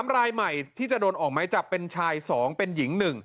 ๓รายใหม่ที่จะโดนออกไม้จับเป็นชาย๒เป็นหญิง๑